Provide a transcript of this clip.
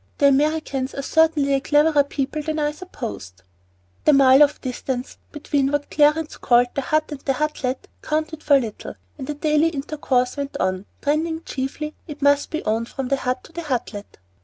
The Americans are certainly a cleverer people than I supposed." The mile of distance between what Clarence called "the Hut and the Hutlet" counted for little, and a daily intercourse went on, trending chiefly, it must be owned, from the Hut to the Hutlet.